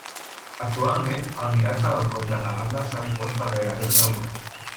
Actualment, el miracle del coix de Calanda s'ha difós per gairebé tota Europa.